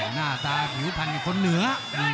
หน้าตาผิวพันกับคนเหนือ